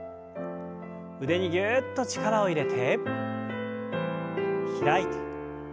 腕にぎゅっと力を入れて開いて。